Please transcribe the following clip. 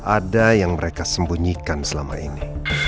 ada yang mereka sembunyikan selama ini